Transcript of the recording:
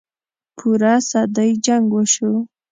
پوره صدۍ جـنګ وشو.